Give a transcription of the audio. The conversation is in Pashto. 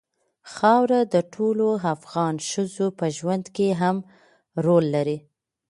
خاوره د ټولو افغان ښځو په ژوند کې هم رول لري.